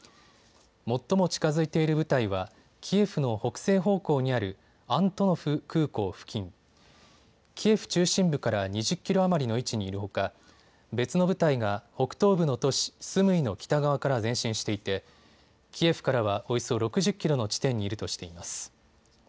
最も近づいている部隊はキエフの北西方向にあるアントノフ空港付近、キエフ中心部から２０キロ余りの位置にいるほか別の部隊が北東部の都市スムイの北側から前進していてキエフからはおよそ６０キロの地点にいるとしています。